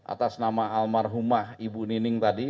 atas nama almarhumah ibu nining tadi